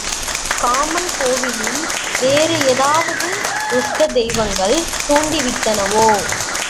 Common கோவிலில் வேறு ஏதாவது துஷ்ட தெய்வங்கள் தீண்டி விட்டனவோ?